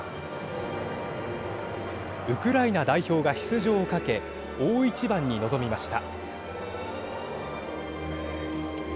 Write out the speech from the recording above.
ウクライナ代表が出場をかけ大一番に臨みました。